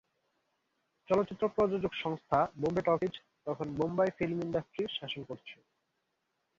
চলচ্চিত্র প্রযোজক সংস্থা "বোম্বে টকিজ" তখন বোম্বাই ফিল্ম ইন্ডাস্ট্রি শাসন করছে।